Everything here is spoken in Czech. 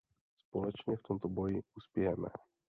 Společně v tomto boji uspějeme.